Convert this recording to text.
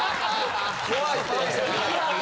怖いって。